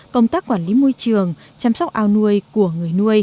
công tác quản lý môi trường